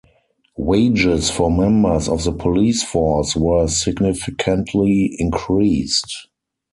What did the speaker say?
Wages for members of the police force were significantly increased.